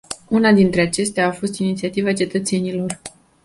Una dintre acestea a fost inițiativa cetățenilor.